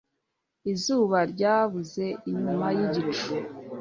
Izuba ryabuze inyuma yigicu.